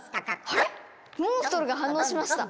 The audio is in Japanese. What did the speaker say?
あれっモンストロが反応しました。